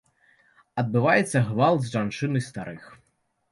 Адбываецца гвалт з жанчын і старых.